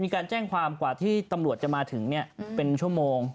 มีการแจ้งความกว่าที่ตำรวจจะมาถึงเป็นชั่วโมง